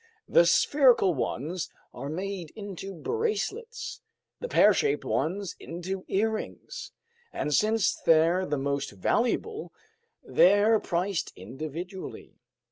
The spherical ones are made into bracelets; the pear shaped ones into earrings, and since they're the most valuable, they're priced individually.